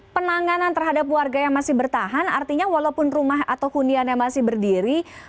penanganan terhadap warga yang masih bertahan artinya walaupun rumah atau huniannya masih berdiri